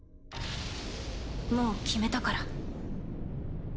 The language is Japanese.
もう決めたから。